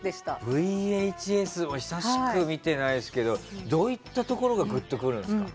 ＶＨＳ久しく見てないですけどどういったところがグッとくるんですか？